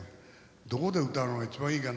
どこで歌うのが一番いいかな。